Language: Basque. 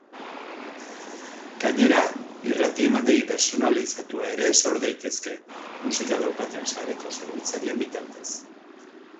Gainera, irrati-emandegi pertsonalizatua ere sor daitezke, musika daukaten sareko zerbitzarien bitartez.